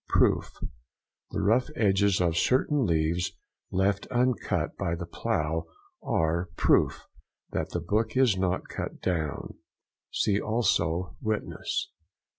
PROOF.—The rough edges of certain leaves left uncut by the plough, are "proof" that the book is not cut down (see also WITNESS).